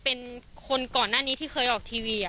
ก็กลายเป็นว่าติดต่อพี่น้องคู่นี้ไม่ได้เลยค่ะ